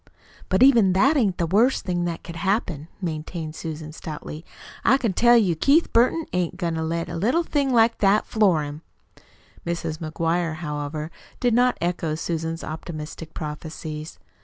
"But even that ain't the worst thing that could happen," maintained Susan stoutly. "I can tell you Keith Burton ain't goin' to let a little thing like that floor him!" Mrs. McGuire, however, did not echo Susan's optimistic prophecies.